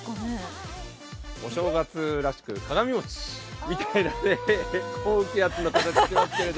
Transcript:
お正月らしく、鏡餅みたいな高気圧の形にも見えます。